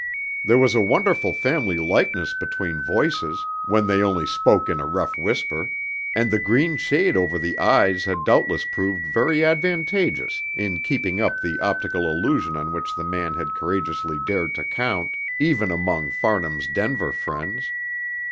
There was a wonderful family likeness between voices, when they only spoke in a rough whisper, and the green shade over the eyes had doubtless proved very advantageous in keeping up the optical illusion on which the man had courageously dared to count, even among Farnham's Denver friends.